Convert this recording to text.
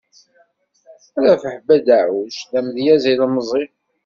Rabaḥ Bedaɛuc, d amedyaz ilemẓi.